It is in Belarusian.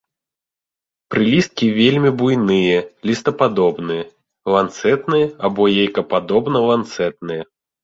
Прылісткі вельмі буйныя, лістападобныя, ланцэтныя або яйкападобна-ланцэтныя.